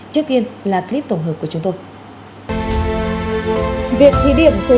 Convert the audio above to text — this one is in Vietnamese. trước tiên là clip tổng hợp của chúng tôi